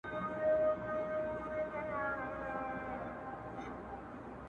• یو تعویذ درڅخه غواړمه غښتلی -